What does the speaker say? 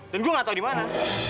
dan gue nggak tau di mana